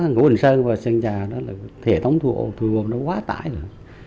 ngũ đình sơn và sơn trà đó là hệ thống thu gom nó quá tải rồi